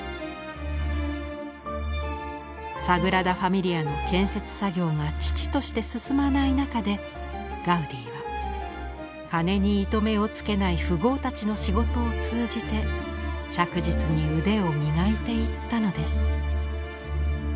サグラダ・ファミリアの建設作業が遅々として進まない中でガウディは金に糸目をつけない富豪たちの仕事を通じて着実に腕を磨いていったのです。